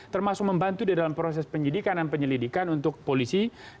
termasuk membantu di dalam proses penyidikan dan penyelidikan untuk polisi